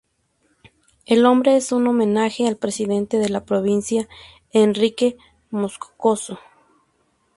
El nombre es un homenaje al presidente de la provincia Henrique Moscoso.